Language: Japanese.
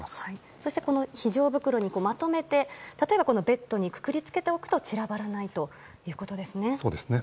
そして非常袋にまとめてベッドにくくりつけておくとちらばらないということですね。